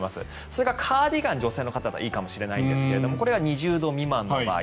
それかカーディガン、女性の方はいいかもしれないですがこれは２０度未満の場合。